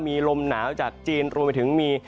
มีลมหนาวจากจีนรวมไปถึงมี